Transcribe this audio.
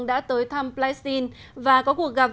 đã tới thăm palestine và có cuộc gặp